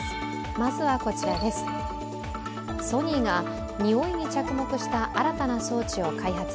ソニーがにおいに着目した新たな装置を開発。